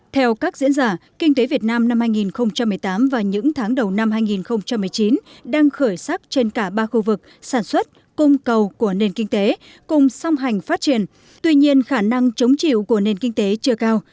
theo các diễn giả kinh tế việt nam năm hai nghìn một mươi tám và những tháng đầu năm hai nghìn một mươi chín đang khởi sắc trên cả ba khu vực sản xuất cung cầu của nền kinh tế cùng song hành phát triển tuy nhiên khả năng chống chịu của nền kinh tế chưa cao